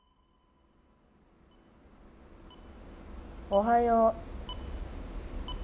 おはよう。